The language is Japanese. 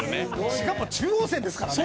しかも中央線ですからね。